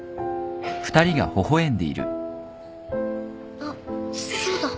あっそうだ。